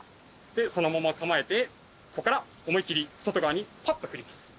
そのまま構えてここから思いっ切り外側にパッと振ります。